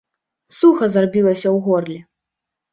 Суха зрабілася ў горле.